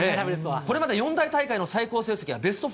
これまで四大大会の最高成績はベスト４。